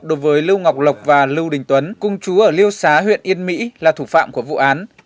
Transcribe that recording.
đối với lưu ngọc lộc và lưu đình tuấn cung chú ở liêu xá huyện yên mỹ là thủ phạm của vụ án